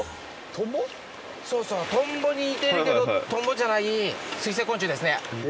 そうそうトンボに似てるけどトンボじゃない水生昆虫ですね。